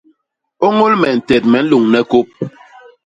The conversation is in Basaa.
Ôñôl me ntet me nlôñle kôp.